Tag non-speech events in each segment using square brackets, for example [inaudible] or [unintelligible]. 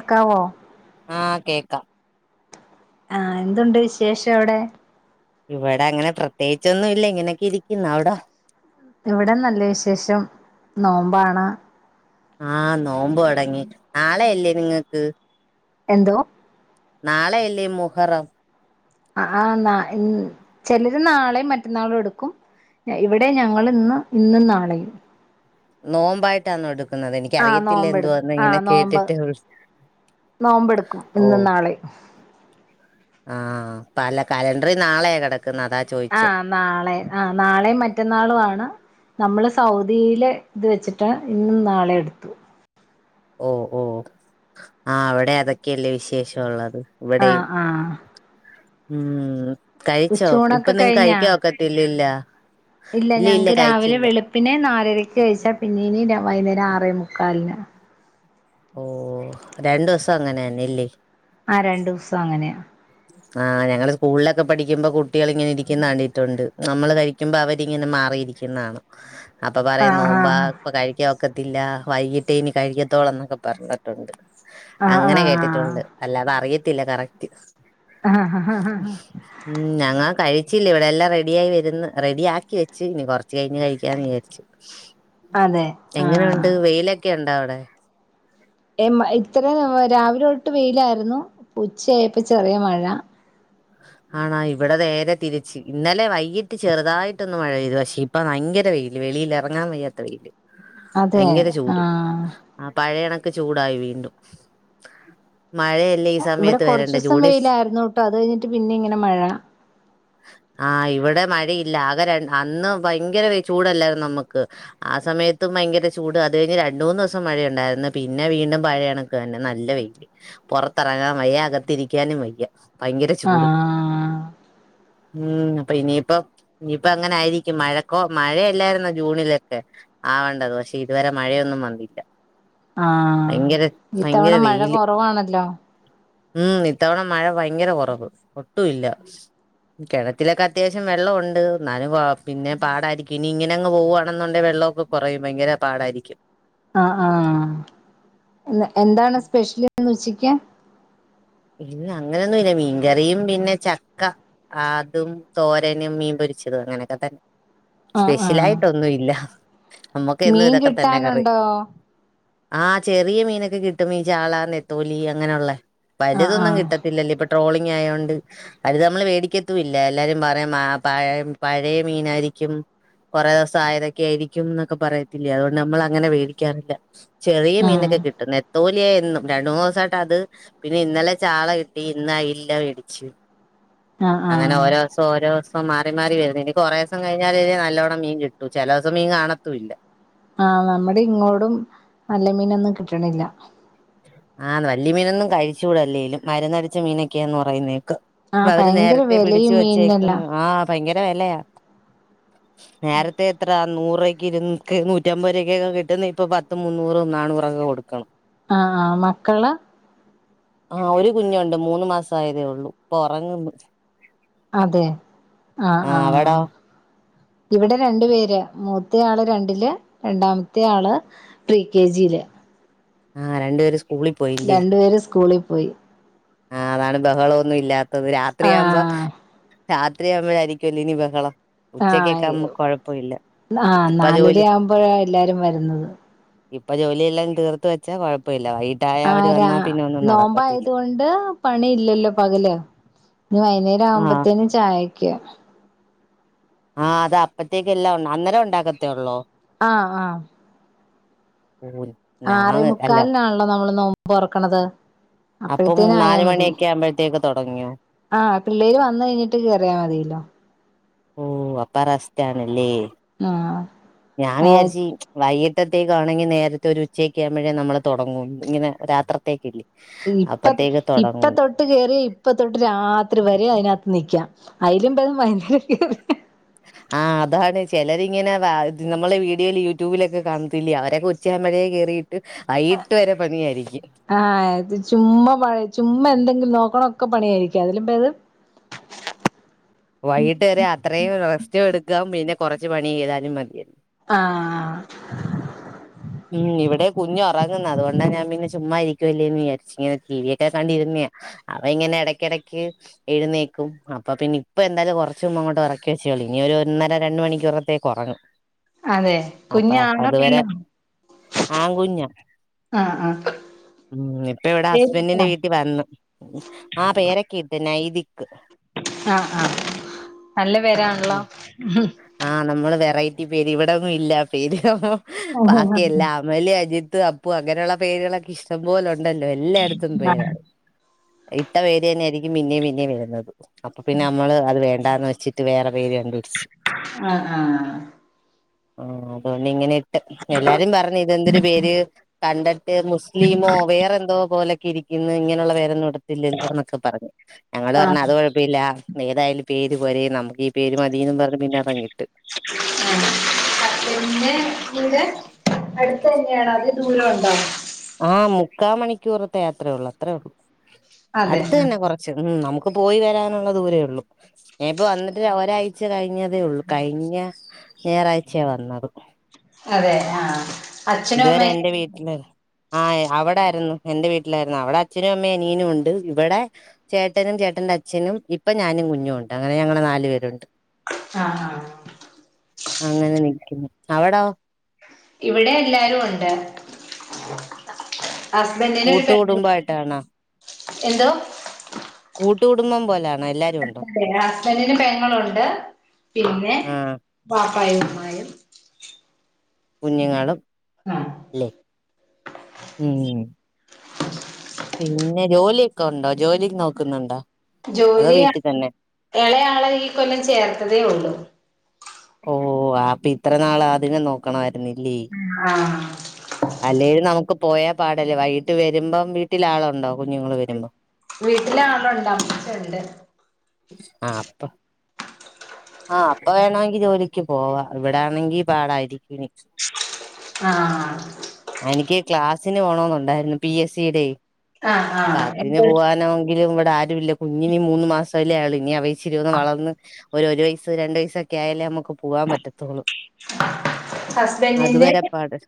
എിക്കാവോ ആഹ് കേക്കാം ആഹ എന്തുണ്ട് വിശേഷം എവിടെ ഇവിടെ അങ്ങനെ പ്രത്യേകിച്ചൊന്നും ഇല്ല ഇങ്ങനെയക്കെ ഇരിക്കുന്ന അവിട ഇവിടെ നല്ല വിശേഷം നോമ്പാണ് ആഹ് നോമ്പോ തുടങ്ങി നാളെ അല്ലേ നിങ്ങക്ക് എന്തോ നാളെയ അല്ലേ മുഹറം ആ ആഹ ന ചിലത് നാളെയും മറ്റന്നാളും എടുക്കും ഇവിടെ ഞങ്ങ ഇന്ന് ഇന്നും നാളെയും നോമ്പായിട്ടാാണ് എടുക്കുന്നത് ആഹ് എനിക്കറിയത്തില്ല നോമ്പെടുക്കും എന്തോന്ന് ഇങ്ങനെ കേട്ടിട്ട് നോമ്പ എടുക്കും ഇന്നും നാളെയും ആഹ പപ്പ അല്ല കലണ്ടറി നാളെയ കിടക്ക ആഹ നാളെ ആഹ നാളെയും മറ്റന്നാളും ആണ് നമ്മള് സൗദിയില് ഇത് വെച്ചിട്ട് ഇന്നും നാളെ എടുത്തു ഓ ഓ ആ അവിടെ അതൊക്കെയല്ലേ വിശേഷംള്ളത് ആഹ ആഹ് [unintelligible] ഉം കഴിച്ചോ ഇപ്പ ഉച്ചൂണൊക്കെ നിങ്ങ കഴിഞ്ഞാ കഴിക്കോക്കത്തില്ലല്ല ഇല്ല ഞങ്ങക്ക് രാവിലെ വെളുപ്പിനെ നാരരക്ക് കഴിച്ചാ പിന്നെ ഇനി വൈകുന്നേരം ആറേ മുുക്കാലിന് ഓ രണ്ട ദിവസം അങ്ങനെയ ഇല്ലി ആ രണ്ട ദിവസം അങ്ങനെയാ ആ് ഞങ്ങള്ൾ സ്കൂളിലൊക്കെ പഠിക്കുമ്പോ കുട്ടികൾ ഇങ്ങനെ ഇരിക്കുന്ന താണ്ടിയിട്ടുണ്ട് നമ്മള് കഴിക്കുമ്പോ അവരിങ്ങനെ അറിയിരിക്കുന്നാണ് അപ്പൊ പറയുംം ആഹ് നോമ്പാ ഇപ്പ കഴിക്കാൻ വക്കത്തില്ല വൈകിട്ടേ ഇനി കഴിക്കത്തോള എന്നൊക്കെ പറഞ്ഞിട്ടുണ്ട് ആഹ് അങ്ങനെ കേട്ടിട്ടുണ്ട് ആഹ് അല്ലാതെ അറിയത്തില്ല കറക്റ്റ് ആഹ് ആഹ് ആഹ് ഉം ഞങ്ങാ കഴ [unintelligible] ചില്ല ഇവിടെ എല്ലാം റെഡിയായി വന്ന് റെഡി ആാക്കി വെച്ച്ു ഇനി കൊറച്ച് കഴിഞ്ഞ് കഴിക്കാന്ന് വിചാരിച്ചു അതെ ആഹ് എങ്ങനെുണ്ട് വെയിലൊക്കെ ഉണ്ട അവിടെ ഇത്രയും ന രാവിലെ തൊട്ട് വെയിലായിരുന്നു ഉച്ചയായപ്പോ ചെറിയ മഴ ഉ [inaudible] ആണാ ഇവിടെ നേരെ തിരിച്ച്ു ഇന്നലെ വൈകിട്ട് ചെറുതായിട്ടൊന്ന് മഴ പെയ്തു പക്ഷേ ഇപ്പ ഭയങ്കര വെയിൽ വ റങ്ങൻ വയ്യാ വ അതെ ഭയങ്കര ചൂട് ആഹ് പഴണ െ ചൂടായി വീണ്ടും [unintelligible] ഈ ഇവിടെ സമയത്ത് കുറച്ച വരേണ്ട ദിവസം ജൂണിൽ വെയിലായിരുന്നു ട്ടോ അത് കഴിഞ്ഞിട്ട് പിന്നെ ഇങ്ങനെ മഴ ഉ [inaudible] ആഹ ഇവിടെ മഴയില്ല ആകെ ര അന്ന് ഭയങ്കര ചൂടല്ലായിരുന്നു നമ്മുക്ക് ആ സമയത്ത് ഭയങ്കര ചൂട് അത് കഴിഞ്ഞ് രണ്ട മൂന്ന് ദിവസം മഴയുണ്ടായിരുന്നു പിന്നെ വീണ്ടും പഴയ കണക്കുക തന്നെ നല്ല വെ്യല് പുറത്തിറങ്ങാൻ മയ അകത്തിരിക്കാനും വയ്യ ഭയങ്കര ചൂട് ആഹ് ഉം അപ്പൊ ഇനിയിപ്പ ഇനിയിപ്പ അങ്ങനെ ആയിരിക്കും മഴക്ക മഴയല്ലായിരുന്ന ജൂണിലൊക്കെ ആവേണ്ടത് പക്ഷെ ഇതുവരെ മഴയൊന്നും വന്നില്ല ആഹ ഭയങ്കര ഇഈത്തവണ ഭയങ്കര മഴ വെയില് കുറവാണല്ലോ ഉം ഇത്തവണ മഴ ഭയങ്കര കുറവ് ഒട്ടുമല്ല കിണത്തിലൊക്കെ അത്യാവശ്യം വെള്ളംുണ്ട് ഞും പിന്നെ പാടായിരിക്കും ഇനി ഇങ്ങനെ അങ്ങ് പോവുവാണെന്നുണ്ട വെള്ളം െ കുറയും ഭയങ്കര പാടായിരിക്കും ആ ആഹ എന്താണ് സ്പെഷ്യലിന്ന് വച്ചക്ക് അങ്ങനൊന്നുംല്ല മീൻകറിയും പിന്നെ ചക്ക അതും തോരനും മീൻ പൊരിച്ചത് അങ്ങനൊക്കെ തന്നെ ആഹ് സ്പെഷ്യല ആഹ് ആായിട്ടൊന്നും ഇല്ല നമ്മുക്ക് എന്നും മീൻ ഇതൊക്കെ തന്നെ കറി കിട്ടാനുണ്ടോ ആഹ് ചെറിയ മീനൊക്കെ കിട്ടും ീ ചാള നെത്തോലി അങ്ങനെയുള്ളെ ആഹ് വലതൊന്നും ആഹ് കട്ടത്തില്ല ഇൊ ട്രോളി ആയോണ്ട് അത് നമ്മള് വേടിക്കത്തുംല്ല എല്ലാരും പറയാം പഴ പഴയ മീനായിരിക്കും കൊറേ ദിവസം ആയതൊക്കെ ആയിരിക്കും എന്നൊക്കെ പറയത്തില്ലേ അതുകൊണ്ട് നമ്മൾ അങ്ങനെ വേടിക്കാറില്ല ചെറിയ മീനൊക്കെ ആഹ് കിട്ടും നെത്തോലിയ എന്നും രണ്ട് മൂന്ന് ദിവസായിട്ട് അത് പിന്നെ ഇന്നലെ ചാള കിട്ടി ഇന്ന് അയില വേടിച്ച് ആഹ് അങ്ങനെ ആഹ് ഓരോ ദിവസം ഓരോ ദിവസം മാറി മാറി വരുന്നു ഇനി കൊറേ ദിവസം കഴിഞ്ഞാലല്ലേ നല്ലോണം മീൻ കിട്ടൂ ചെല ദിവസം മീൻ കാണത്തൂല്ല ആഹ് നമ്മുടെ ഇങ്ങോടും നല്ല മീനൊന്നും കിട്ടണില്ല ആഹ് വല്യ മീനൊന്നും കഴിച്ചൂട അല്ലേലും മരുന്നടിച്ച മീനൊക്കെയാന്ന് പറയുന്നേക്കാം അപ്പൊ ആഹ് അവര് ഭയങ്കര നേരത്തെ പിടിച്ചു വിലയും മീനിനെല്ലാം വെച്ചേക്കുന്നു ആഹ് ഭയങ്കര വെലയാ നേരത്തെ എത്ര നൂറൂവയ്ക്ക് ഇരുന്നൂറ്റി നൂറ്റമ്പത് രൂപക്കൊക്കെ കിട്ടുന്ന ഇപ്പൊ പത്ത് മുന്നൂറും നാന്നൂറൊക്കെ കൊടുക്കണം ആഹ് ആഹ് മക്കള് ആഹ് ഒരു കുഞ്ഞുണ്ട് മൂന്ന് മാസായതേ ഉള്ളൂ ഇപ്പൊ ഒറങ്ങുന്നു അതെ ആഹ് ആഹ് ആഹ് അവിടോ ഇവിടെ രണ്ടു പേര് മൂത്ത ആള് രണ്ടില് രണ്ടാമത്തെ ആള് പ്രീ കെ ജിയില് ആഹ് രണ്ടുപേര് സ്കൂളിൽ പോയില്ലേ രണ്ടുപേര് സ്കൂളിൽ പോയി ആഹ് അതാണ് ബഹളൊന്നും ഇല്ലാത്തത് രാത്രിയാവുമ്പോ ആഹ് രാത്രിയാവുമ്പോഴായിരിക്കുവല്ലോ ഇനി ബഹളം ഉച്ചക്കൊക്കെ ആഹ് ആവുമ്പോ കൊഴപ്പമില്ല ആഹ് ഇപ്പ ജോലി നാലര ആവുമ്പോഴാ എല്ലാരും വരുന്നത് ഇപ്പൊ ജോലിയെല്ലാം തീർത്ത് വെച്ചാ കൊഴപ്പമില്ല വൈകിട്ടായ ആ അവര് രാ വന്നാ പിന്നെ ഒന്നും നടക്കത്തില്ല നോമ്പായതുകൊണ്ട് പണിയില്ലല്ലോ പകല് ഇനി വൈകുന്നേരം ആഹ് ആവുമ്പത്തേനും ചായക്ക് ആഹ് അത് അപ്പത്തേക്ക് എല്ലാം ഉണ്ട് അന്നേരം ഉണ്ടാക്കത്തേ ഉള്ളോ ആ ആ ഓ ആറേ ഞാൻ അല്ല മുക്കാലിനാണല്ലോ നമ്മള് നോമ്പ് തുറക്കണത് അപ്പം അപ്പഴത്തേന് ആയാ നാല് മതി മണിയൊക്കെ ആവുമ്പോഴത്തേക്ക് തുടങ്ങിയോ ആ പിള്ളേര് വന്ന് കഴിഞ്ഞിട്ട് കേറിയാ മതിയല്ലോ ഓ അപ്പ റസ്റ്റ് ആണല്ലേ ആ ഞാൻ വിചാരിച്ച് വൈകിട്ടത്തേക്കാണെങ്കിൽ നേരത്തെ ഒരു ഉച്ചയൊക്കെ ആകുമ്പോഴേ നമ്മള് തുടങ്ങും ഇങ്ങനെ രാത്രത്തേക്കില്ലേ ഇപ്പ അപ്പത്തേക്ക് ഇപ്പ തുടങ്ങുന്നു തൊട്ട് കേറിയ ഇപ്പ തൊട്ട് രാത്രി വരെ അതിനകത്ത് നിക്കാം അയിലും ഭേദം വൈകുന്നേരം കേറി ആഹ് അതാണ് ചിലരിങ്ങനെ നമ്മളെ വീഡിയോയിൽ യൂട്യൂബിലൊക്കെ കാണത്തില്ലേ അവരൊക്കെ ഉച്ചയാകുമ്പോഴേ കേറിയിട്ട് വൈകിട്ട് വരെ പണിയായിരിക്കും ആ ഇത് ചുമ്മാ പണി ചുമ്മാ എന്തെങ്കിലും നോക്കണൊക്കെ പണിയായിരിക്കും അതിലും ഭേദം വൈകിട്ട് വരെ അത്രയും റെസ്റ്റും എടുക്കാം പിന്നെ കുറച്ച് പണി ചെയ്താലും മതിയായിരുന്നു ആ ഉം ഇവിടെ കുഞ്ഞ് ഉറങ്ങുന്ന അതുകൊണ്ടാ ഞാൻ പിന്നെ ചുമ്മാ ഇരിക്കുവല്ലേന്ന് വിചാരിച്ച് ഇങ്ങനെ ടി വി ഒക്കെ കണ്ടിരുന്നയാ അവൻ ഇങ്ങനെ ഇടക്കിടക്ക് എഴുന്നേക്കും അപ്പൊ പിന്നെ ഇപ്പൊ എന്തായാലും കുറച്ച് മുമ്പ് അങ്ങോട്ട് ഉറക്കി വെച്ചേയുള്ളൂ ഇനി ഒരു ഒന്നര രണ്ട് മണിക്കൂറത്തേക്ക് ഉറങ്ങും അതെ അപ്പൊ കുഞ്ഞാണോ അതുവരെ പെണ്ണോ ആൺകുഞ്ഞാ ആ ആ ഉം ഇപ്പ ഇവിടെ പേരിട്ടാ ഹസ്ബൻഡിന്റെ വീട്ടിൽ വന്നു ആ പേരൊക്കെ ഇട്ട് നൈദിക്ക് ആഹ് ആഹ് നല്ല പേരാണല്ലോ ആഹ് നമ്മള് വെറൈറ്റി പേര് ഇവിടൊന്നും ഇല്ല പേര് ആഹ് ബാക്കി എല്ലാ അമല് അജിത്ത് അപ്പു അങ്ങനെയുള്ള പേരുകളൊക്കെ ഇഷ്ടം പോലെ ഉണ്ടല്ലോ എല്ലായിടത്തും പേരാണ് ഇട്ട പേര് തന്നെയായിരിക്കും പിന്നേം പിന്നേം വരുന്നത് അപ്പൊ പിന്നെ നമ്മള് അത് വേണ്ടാന്ന് വെച്ചിട്ട് വേറെ പേര് കണ്ടുപിടിച്ച് ആഹ് ആഹ് ആഹ് അതുകൊണ്ട് ഇങ്ങനെ ഇട്ട് എല്ലാരും പറഞ്ഞു ഇതെന്തൊരു പേര് കണ്ടിട്ട് മുസ്ലിമോ വേറെ എന്തോ പോലൊക്കെ ഇരിക്കുന്നു ഇങ്ങനെയുള്ള പേരൊന്നും ഇടത്തില്ലല്ലോ എന്നൊക്കെ പറഞ്ഞു ഞങ്ങള് പറഞ്ഞു ആഹ് അത് കുഴപ്പമില്ല ഏതായാലും പേര് പോരെ നമുക്ക് ഈ പേര് മതീന്നും പറഞ്ഞ് പിന്നെ അതങ്ങിട്ട് ഹസ്ബൻഡിന്റെ വീട് അടുത്ത് തന്നെയാണോ അതോ ദൂരം ഉണ്ടോ ആഹ് മുക്കാ മണിക്കൂറത്തെ യാത്രേ ഉള്ളൂ അത്രേ ഉള്ളൂ അതെ അടുത്ത് ആഹ് തന്നെ കുറച്ച് ഉം നമുക്ക് പോയി വരാനുള്ള ദൂരേ ഉള്ളൂ ഞാൻ ഇപ്പോ വന്നിട്ട് ഒരാഴ്ച കഴിഞ്ഞതേ ഉള്ളൂ കഴിഞ്ഞ ഞായറാഴ്ചയാ വന്നത് അതെ ആഹ് അച്ഛനും ഇതുവരെ അമ്മയൊക്കെ എന്റെ വീട്ടില് ആഹ് അവിടായിരുന്നു എന്റെ വീട്ടിലായിരുന്നു അവിടെ അച്ഛനും അമ്മയും അനിയനും ഉണ്ട് ഇവിടെ ചേട്ടനും ചേട്ടന്റെ അച്ഛനും ഇപ്പൊ ഞാനും കുഞ്ഞും ഉണ്ട് അങ്ങനെ ഞങ്ങള് നാലു പേരുണ്ട് ആഹ് ആഹ് അങ്ങനെ നിക്കുന്നു അവിടോ ഇവിടെ എല്ലാരും ഉണ്ട് ഹസ്ബൻഡിന് ഒരു പെങ്ങള് കൂട്ടുകുടുംബായിട്ടാണോ എന്തോ കൂട്ടുകുടുംബം പോലാണോ എല്ലാരും ഉണ്ടോ അതെ ഹസ്ബൻഡിന് പെങ്ങളുണ്ട് പിന്നെ ആഹ് വാപ്പായും ഉമ്മായും കുഞ്ഞുങ്ങളും ആഹ് അല്ലേ ഉം പിന്നെ ജോലിയൊക്കെ ഉണ്ടോ ജോലി നോക്കുന്നുണ്ടോ അതോ ജോലി വീട്ടിൽ തന്നെ ഇളയാളെ ഈ കൊല്ലം ചേർത്തതേ ഉള്ളൂ ഓ അപ്പൊ ഇത്ര നാള് അതിനെ നോക്കണമായിരുന്നില്ലേ ആഹ് അല്ലേലും നമുക്ക് പോയാ പാടല്ലേ വൈകിട്ട് വരുമ്പം വീട്ടിൽ ആളുണ്ടോ കുഞ്ഞുങ്ങൾ വരുമ്പോ വീട്ടിലെ ആളുണ്ട് അമ്മച്ചിയുണ്ട് ആ അപ്പ ആ അപ്പൊ വേണമെങ്കി ജോലിക്ക് പോവാ ഇവിടാണെങ്കി പാടായിരിക്കും ഇനി ആഹ് എനിക്ക് ക്ലാസ്സിന് പോണോന്നുണ്ടായിരുന്നു പി എസ് സിയുടെ ആഹ് അപ്പൊ ആഹ് അതിന് എന്റെ പോവാനാണെങ്കിലും ഇവിടെ ആരുമില്ല കുഞ്ഞിന് മൂന്ന് മാസമല്ലേ ആയുള്ളൂ ഇനി അവ ഇച്ചിരി ഒന്ന് വളർന്ന് ഒരു ഒരു വയസ്സ് രണ്ട് വയസ്സൊക്കെ ആയാലേ നമുക്ക് പോവാൻ പറ്റത്തുള്ളൂ ഹസ്ബൻഡിന്റെ അതുവരെ പാട്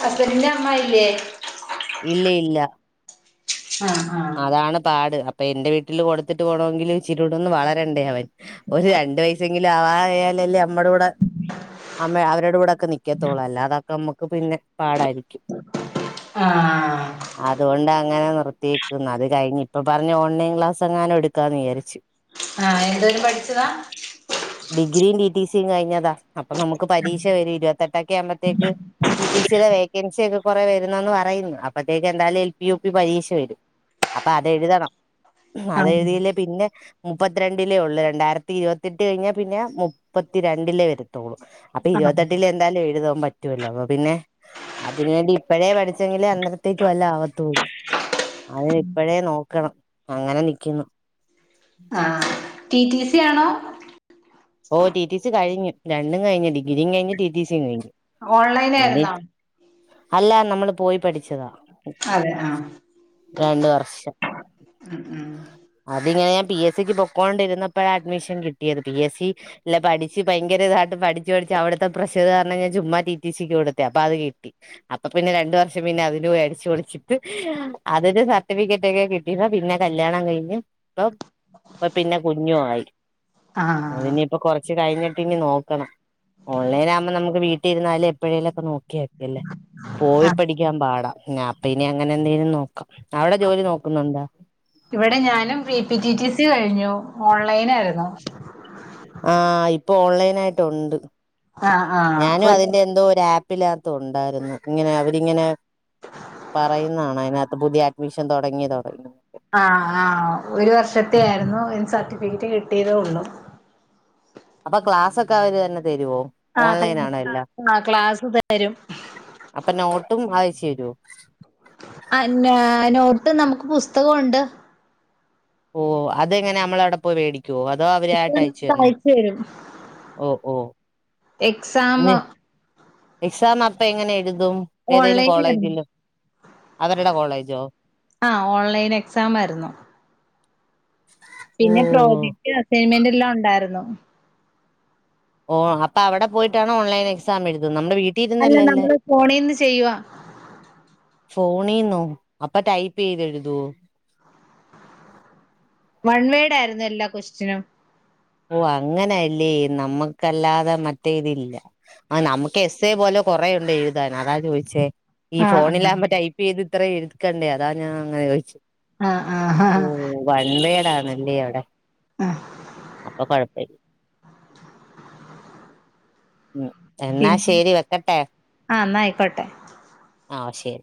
ഹസ്ബൻഡിന്റെ അമ്മ ഇല്ലേ ഇല്ല ഇല്ല ആഹ് ആഹ് അതാണ് പാട് അപ്പൊ എന്റെ വീട്ടില് കൊടുത്തിട്ട് പോണമെങ്കിൽ ഇച്ചിരൂടെ ഒന്ന് വളരണ്ടേ അവൻ ഒരു രണ്ട് വയസ്സെങ്കിലും ആവായാലല്ലേ നമ്മടെ കൂടെ അമ്മ അവരുടെ കൂടെക്കെ നിക്കത്തോളൂ അല്ലാതൊക്കെ നമ്മുക്ക് പിന്നെ പാടായിരിക്കും ആഹ് അതുകൊണ്ട് അങ്ങനെ നിർത്തിയേക്കുന്നു അത് കഴിഞ്ഞ് ഇപ്പൊ പറഞ്ഞ ഓൺലൈൻ ക്ലാസ് എങ്ങാനും എടുക്കാന്ന് വിചാരിച്ചു ആഹ് എന്തോരം പഠിച്ചതാ ഡിഗ്രിയും ടി ടി സിയും കഴിഞ്ഞതാ അപ്പൊ നമുക്ക് പരീക്ഷ വരും ഇരുപത്തെട്ടൊക്കെ ആവുമ്പത്തേക്ക് ടി ടി സിയുടെ വേക്കൻസി ഒക്കെ കൊറെ വരുന്നന്ന് പറയുന്നു അപ്പത്തേക്ക് എന്തായാലും എൽ പി യു പി പരീക്ഷ വരും അപ്പൊ അത് എഴുതണം ആഹ് അതെഴുതിയില്ലേ പിന്നെ മുപ്പത്തിരണ്ടിലേ ഉള്ളൂ രണ്ടായിരത്തി ഇരുപത്തെട്ട് കഴിഞ്ഞാൽ പിന്നെ മുപ്പത്തിരണ്ടിലേ വരത്തുള്ളൂ അപ്പൊ ആഹ് ഇരുപത്തെട്ടില് എന്തായാലും എഴുതാൻ പറ്റുവല്ലോ അപ്പൊ പിന്നെ അതിന് വേണ്ടി ഇപ്പഴേ പഠിച്ചെങ്കിലേ അന്നരത്തേക്ക് വല്ല ആവത്തുള്ളൂ അതിന് ഇപ്പഴേ നോക്കണം അങ്ങനെ നിക്കുന്നു ആഹ് ടി ടി സി ആണോ ഓ ടി ടി സി കഴിഞ്ഞു രണ്ടും കഴിഞ്ഞു ഡിഗ്രിയും കഴിഞ്ഞു ടി ടി സിയും കഴിഞ്ഞു ഓൺലൈൻ ഇനി ആയിരുന്നോ അല്ല നമ്മള് പോയി പഠിച്ചതാ അതെ ആഹ് രണ്ട് വർഷം ഉം ഉം അതിങ്ങനെ ഞാൻ പി എസ് സിക്ക് പൊക്കോണ്ടിരുന്നപ്പോഴാ അഡ്മിഷൻ കിട്ടിയത് പി എസ് സി ഇല്ല പഠിച്ച് ഭയങ്കര ഇതായിട്ട് പഠിച്ചു പഠിച്ച് അവിടുത്തെ പ്രഷർ കാരണം ഞാൻ ചുമ്മാ ടി ടി സിക്ക് കൊടുത്തെ അപ്പൊ അത് കിട്ടി അപ്പൊ പിന്നെ രണ്ടു വർഷം പിന്നെ അതിന് പോയി അടിച്ചു പൊളിച്ചിട്ട് അതിന്റെ സർട്ടിഫിക്കറ്റ് ഒക്കെ കിട്ടിയതാ പിന്നെ കല്യാണം കഴിഞ്ഞ് ഇപ്പം ഇപ്പ പിന്നെ കുഞ്ഞു ആയി ആഹ് അതിനിയിപ്പൊ കൊറച്ച് കഴിഞ്ഞിട്ട് ഇനി നോക്കണം ഓൺലൈൻ ആകുമ്പോ നമുക്ക് വീട്ടിലിരുന്നാലും എപ്പോഴേലൊക്കെ നോക്കിയാ മതിയല്ലേ പോയി ആഹ് പഠിക്കാൻ പാടാ അപ്പൊ ഇനി അങ്ങനെ എന്തെങ്കിലും നോക്കാം അവിടെ ജോലി നോക്കുന്നുണ്ടോ ഇവിടെ ഞാനും P P T T C കഴിഞ്ഞു ഓൺലൈൻ ആയിരുന്നു ആഹ് ഇപ്പൊ ഓൺലൈൻ ആയിട്ടുണ്ട് ആഹ് ആഹ് ഞാനും ഒരു അതിന്റെ എന്തോ ഒരു ആപ്പിനകത്ത് ഉണ്ടായിരുന്നു ഇങ്ങനെ അവരിങ്ങനെ പറയുന്നതാണ് അതിനകത്ത് പുതിയ അഡ്മിഷൻ തുടങ്ങി തുടങ്ങി ആഹ് ആഹ് ഒരു വർഷത്തെ ആയിരുന്നു അതിന് സർട്ടിഫിക്കറ്റ് കിട്ടിയതേ ഉള്ളൂ അപ്പൊ ക്ലാസ് ഒക്കെ അവര് തന്നെ തരുവോ ആഹ് ഓൺലൈൻ ക്ലാസ് ആണോ എല്ലാം ആഹ് ക്ലാസ് തരും അപ്പൊ നോട്ടും അയച്ചു തരുവോ അന്നാ നോട്ട് നമുക്ക് പുസ്തകമുണ്ട് ഓ അതെങ്ങനെ നമ്മള അവിടെ പോയി മേടിക്കുവോ അതോ അവരായിട്ട് പുസ്തകം അയച്ചു നമുക്ക് തന്നു അയച്ചു തരും ഓ ഓ എക്സാം എക്സാം അപ്പ എങ്ങനെ എഴുതും ഏതേലും ഓൺലൈൻ ആയിരുന്നു കോളേജില് അവരുടെ കോളേജോ ആഹ് ഓൺലൈൻ എക്സാം ആയിരുന്നു ഓ പിന്നെ പ്രോജക്ട് അസൈൻമെന്റ് എല്ലാം ഉണ്ടായിരുന്നു ഓ അപ്പൊ അവിടെ പോയിട്ടാണ് ഓൺലൈൻ എക്സാം എഴുതുന്നത് നമ്മുടെ വീട്ടിൽ അല്ല ഇരുന്നല്ലല്ലേ നമ്മള് ഫോണീന്ന് ചെയ്യുവാ ഫോണിന്നോ അപ്പൊ ടൈപ്പ് ചെയ്ത് എഴുതുവോ വൺ വേഡ് ആയിരുന്നു എല്ലാ ക്വസ്റ്റ്യനും ഓ അങ്ങനെയല്ലേ നമ്മക്കല്ലാതെ മറ്റേ ഇതില്ല ആ നമുക്ക് എസ്സേ പോലെ കൊറേ ഉണ്ട് എഴുതാൻ അതാ ചോദിച്ചേ ഈ ആഹ് ഫോണിലാകുമ്പോ ടൈപ്പ് ചെയ്ത് ഇത്ര എടുക്കണ്ടേ അതാ ഞാൻ അങ്ങനെ ചോദിച്ചേ ആഹ് ആഹ് ആഹ് ഓ ആഹ് വൺവേടാണല്ലേ അവിടെ അപ്പൊ കൊഴപ്പല്ല ഉം എന്നാ പിന്നെ ശരി വെക്കട്ടെ ആഹ് എന്നാ ആയിക്കോട്ടെ ആ ശരി